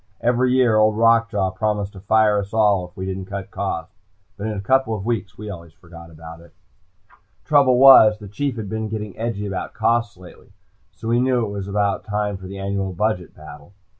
Every year, Old Rock Jaw promised to fire us all, if we didn't cut costs, but in a couple of weeks we always forgot about it. Trouble was, the Chief had been getting edgy about costs lately, so we knew it was about time for the annual budget battle.